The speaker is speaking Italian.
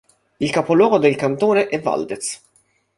Il capoluogo del cantone è Valdez.